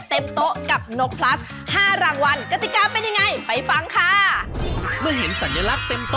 เต็มโต๊ะกับนกพลัส๕รางวัล